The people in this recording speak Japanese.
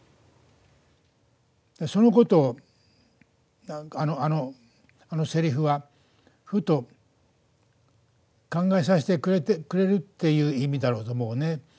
そのことを、あのセリフはふと考えさせてくれるっていう意味だろうと思うね。